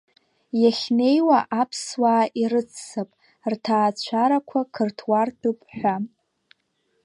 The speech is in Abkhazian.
Иахьнеиуа аԥсуаа ирыццап, рҭаацәарақәа қырҭуартәып ҳәа…